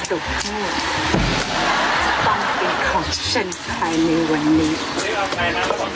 ต้องกินของเช็นไทยในวันนี้